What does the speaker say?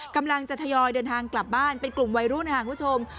กำลังจะทยอยเดินทางกลับบ้านเป็นกลุ่มวัยรุ่นค่ะคุณผู้ชม